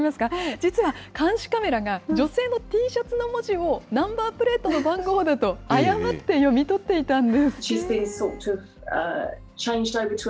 実は監視カメラが、女性のＴシャツの文字をナンバープレートの番号だと、誤って読み取っていたんです。